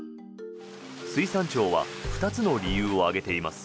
水産庁は２つの理由を挙げています。